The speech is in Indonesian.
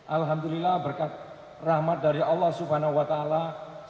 alhamdulillah berkat rahmat dari allah swt